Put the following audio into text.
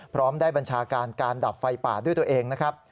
พร้อมได้บัญชาการการดับไฟป่าด้วยตัวเองนะครับ